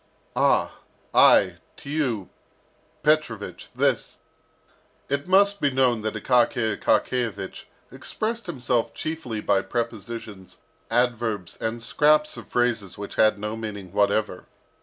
"Ah! I to you, Petrovich, this " It must be known that Akaky Akakiyevich expressed himself chiefly by prepositions, adverbs, and scraps of phrases which had no meaning whatever.